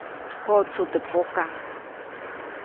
Koʼtsu teʼ pokaʼ.